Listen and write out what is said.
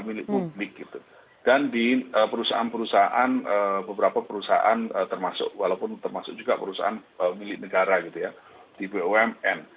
milik publik gitu dan di perusahaan perusahaan beberapa perusahaan termasuk walaupun termasuk juga perusahaan milik negara gitu ya di bumn